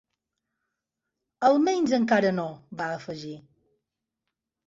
"Almenys encara no", va afegir.